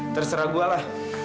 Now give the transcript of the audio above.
terserah gue lah